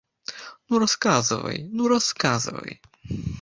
Ну, расказвай, ну, расказвай.